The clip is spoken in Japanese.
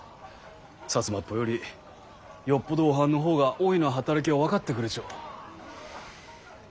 摩っぽよりよっぽどおはんの方がおいの働きを分かってくれちょ。